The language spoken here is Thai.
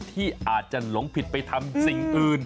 ที่อาจจะหลงผิดไปทำสิ่งอื่น